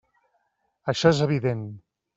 Això és evident.